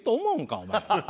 お前。